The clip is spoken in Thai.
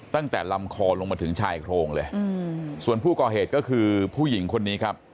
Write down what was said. ตั้งแต่ลำคอลงมาถึงชายโครงเลยส่วนผู้ก่อเหตุก็คือผู้หญิงคนนี้ครับ